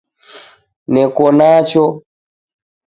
Neko nacho.